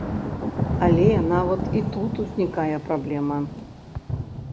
Але нават і тут узнікае праблема.